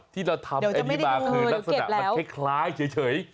ที่เราทำอันนี้มาคือลักษณะมันคล้ายเฉย